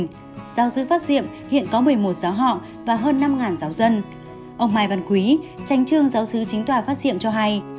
giáo sư phát diệm hiện có một mươi một giáo họ và hơn năm giáo dân ông mai văn quý tranh trương giáo sứ chính tòa phát diệm cho hay